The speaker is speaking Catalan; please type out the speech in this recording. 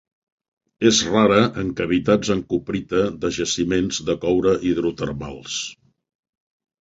És rara en cavitats en cuprita de jaciments de coure hidrotermals.